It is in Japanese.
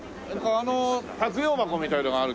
あの百葉箱みたいなのがあるけど。